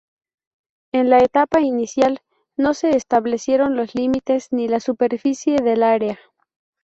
En la etapa inicial, no se establecieron los límites ni la superficie del área.